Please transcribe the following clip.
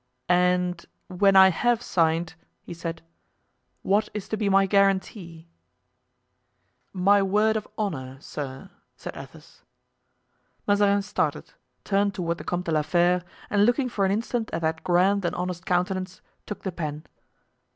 "And when I have signed," he said, "what is to be my guarantee?" "My word of honor, sir," said Athos. Mazarin started, turned toward the Comte de la Fere, and looking for an instant at that grand and honest countenance, took the pen.